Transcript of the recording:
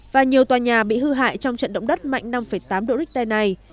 và nhiều tòa nhà bị hư hại trong trận động đất mạnh năm tám độ richter này